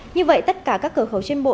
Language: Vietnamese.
như vậy tất cả các cửa khẩu trên bộ